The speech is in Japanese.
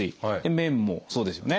麺もそうですよね。